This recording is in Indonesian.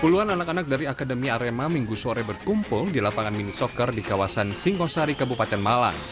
puluhan anak anak dari akademi arema minggu sore berkumpul di lapangan mini soccer di kawasan singosari kabupaten malang